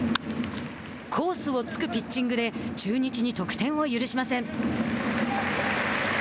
コースを突くピッチングで中日に得点を許しません。